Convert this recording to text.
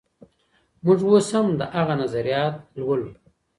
موږ اوس هم د هغه نظريات لولو.